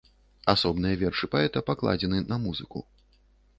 Асобныя вершы паэта пакладзены на музыку.